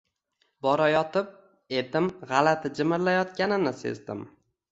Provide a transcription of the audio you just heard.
Borayotib, etim g‘alati jimirlayotganini sezdim